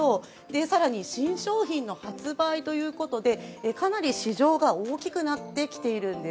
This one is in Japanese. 更に新商品の発売ということでかなり市場が大きくなってきているんです。